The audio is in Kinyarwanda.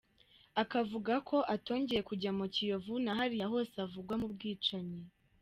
Akavuga ko atongeye kujya mu Kiyovu na hariya hose avugwa mu bwicanyi.